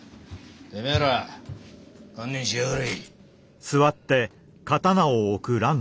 てめえら観念しやがれ。